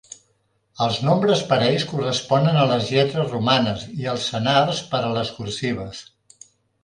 Els nombres parells corresponen a les lletres romanes i els senars per a les cursives.